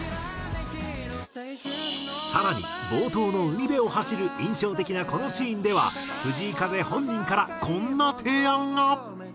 更に冒頭の海辺を走る印象的なこのシーンでは藤井風本人からこんな提案が。